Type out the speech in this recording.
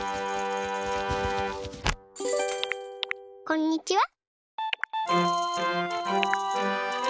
こんにちは。